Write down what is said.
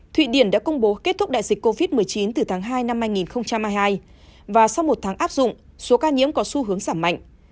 thụy điển đã công bố kết thúc đại dịch covid một mươi chín từ tháng hai năm hai nghìn hai mươi hai và sau một tháng áp dụng số ca nhiễm có xu hướng giảm mạnh